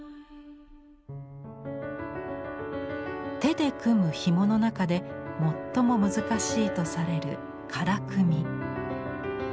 手で組む紐の中で最も難しいとされる「唐組」。